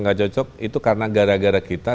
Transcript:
gak cocok itu karena gara gara kita